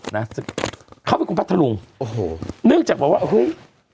นะเข้าไปคุณพระทะลุงโอ้โหเนื่องจากบอกว่าเฮ้ย